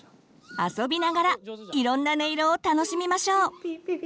あそびながらいろんな音色を楽しみましょう。